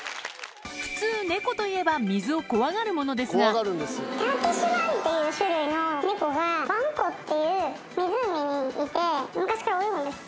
普通猫といえば水を怖がるものですがターキッシュバンっていう種類の猫はヴァン湖っていう湖にいて昔から泳ぐんですって。